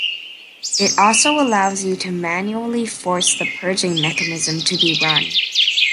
It also allows you to manually force the purging mechanism to be run.